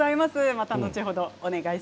また後ほど。